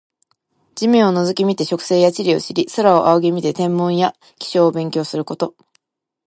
地面を覗き見て植生や地理を知り、空を仰ぎ見て天文や気象を勉強すること。